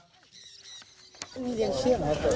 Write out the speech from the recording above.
มีเรียงเชี่ยงเหรอครับ